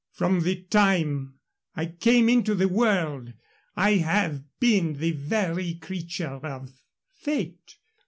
From the time I came into the world I have been the very creature of fate.